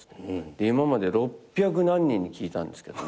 「今まで六百何人に聞いたんですけどね」